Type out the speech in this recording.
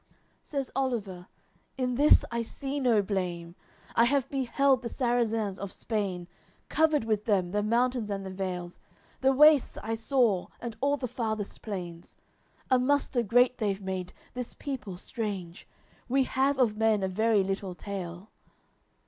LXXXVI Says Oliver: "In this I see no blame; I have beheld the Sarrazins of Spain; Covered with them, the mountains and the vales, The wastes I saw, and all the farthest plains. A muster great they've made, this people strange; We have of men a very little tale."